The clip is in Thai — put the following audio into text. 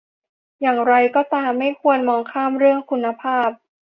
อย่างไรก็ตาม ไม่ควรมองข้ามเรื่องคุณภาพ